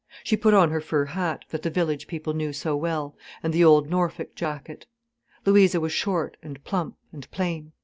She put on her fur hat, that the village people knew so well, and the old Norfolk jacket. Louisa was short and plump and plain.